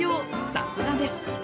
さすがです。